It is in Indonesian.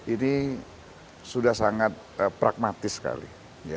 ini sudah sangat pragmatis sekali